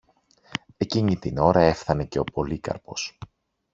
Εκείνη την ώρα έφθανε και ο Πολύκαρπος.